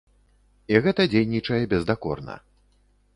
І гэта дзейнічае бездакорна.